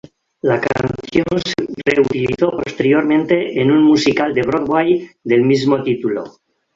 La canción se reutilizó posteriormente en un musical de Broadway del mismo título.